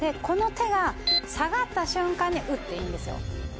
この手が下がった瞬間に打っていいんですよ。